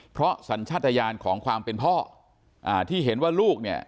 เพราะสัญชาติยานของความเป็นพ่ออ่าที่เห็นว่าลูกเนี่ย